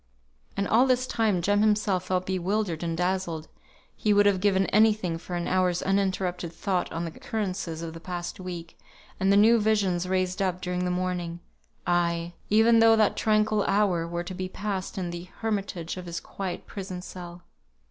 And all this time Jem himself felt bewildered and dazzled; he would have given any thing for an hour's uninterrupted thought on the occurrences of the past week, and the new visions raised up during the morning; aye, even though that tranquil hour were to be passed in the hermitage of his quiet prison cell.